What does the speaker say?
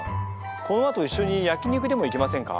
このあと一緒に焼肉でも行きませんか？